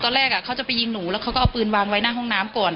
เขาจะไปยิงหนูแล้วเขาก็เอาปืนวางไว้หน้าห้องน้ำก่อน